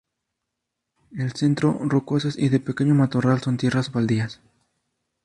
El centro, rocosas y de pequeño matorral, son tierras baldías.